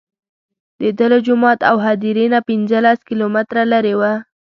دده له جومات او هدیرې نه پنځه لس کیلومتره لرې وه.